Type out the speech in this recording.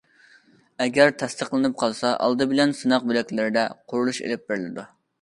ئەگەر تەستىقلىنىپ قالسا، ئالدى بىلەن سىناق بۆلەكلىرىدە قۇرۇلۇش ئېلىپ بېرىلىدۇ.